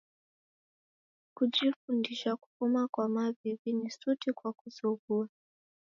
Kujifundisha kufuma kwa maw'iw'i ni suti kwa kuzoghua.